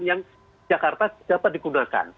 yang jakarta dapat digunakan